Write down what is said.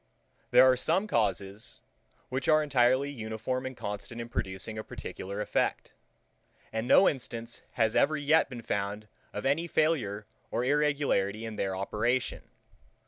There are some causes, which are entirely uniform and constant in producing a particular effect; and no instance has ever yet been found of any failure or irregularity in their operation.